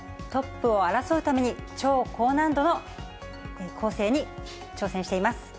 トップを争うために、超高難度の構成に挑戦しています。